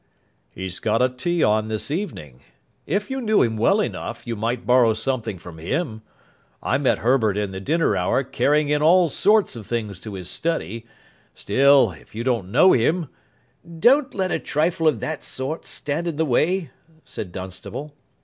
"He's got a tea on this evening. If you knew him well enough, you might borrow something from him. I met Herbert in the dinner hour carrying in all sorts of things to his study. Still, if you don't know him " "Don't let a trifle of that sort stand in the way," said Dunstable.